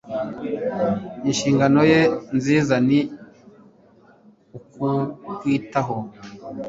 Inshingano ye nziza ni ukutwitaho